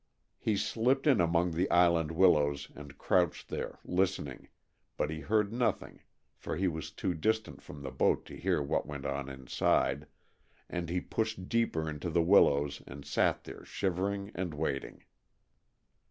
He slipped in among the island willows and crouched there, listening, but he heard nothing for he was too distant from the boat to hear what went on inside, and he pushed deeper into the willows and sat there shivering and waiting.